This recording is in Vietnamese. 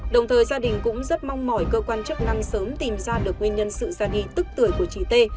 đồng thời gia đình cũng rất mong mỏi cơ quan chức năng sớm tìm ra được nguyên nhân sự ra đi tức tuổi của chị t